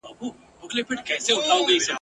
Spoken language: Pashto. چي دي سرې اوښکي رواني تر ګرېوانه ..